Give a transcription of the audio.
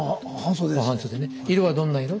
色はどんな色？